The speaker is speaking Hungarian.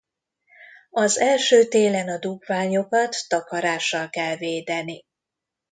Az első télen a dugványokat takarással kell védeni.